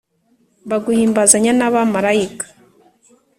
Baguhimbazanya n'abamalayika,